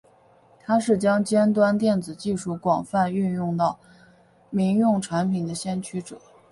他是将尖端电子技术广泛运用到民用产品的先驱者。